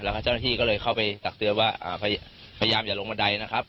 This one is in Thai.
แล้วก็เจ้าหน้าที่ก็เลยเข้าไปตักเตือนว่าพยายามอย่าลงบันไดนะครับ